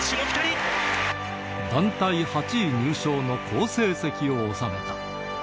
団体８位入賞の好成績を収めた。